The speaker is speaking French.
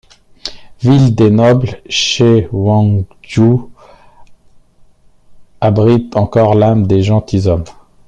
Ville des nobles, Cheongju abrite encore l'âme des gentilshommes.